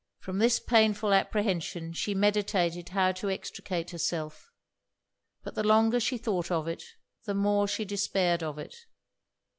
From this painful apprehension she meditated how to extricate herself; but the longer she thought of it, the more she despaired of it.